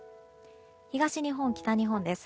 東日本、北日本です。